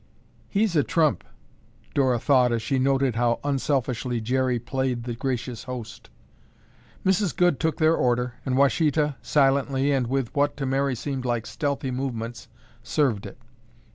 "He's a trump!" Dora thought as she noted how unselfishly Jerry played the gracious host. Mrs. Goode took their order, and Washita silently, and, with what to Mary seemed like stealthy movements, served it.